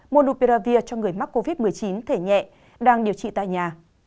monuperavir cho người mắc covid một mươi chín thể nhẹ đang điều trị tại nhà